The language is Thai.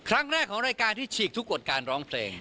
ครั้งแรกของรายการที่ฉีกทุกกฎการร้องเพลง